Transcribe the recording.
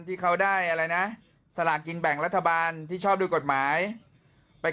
ที่เขาได้อะไรนะสลากกินแบ่งรัฐบาลที่ชอบด้วยกฎหมายไป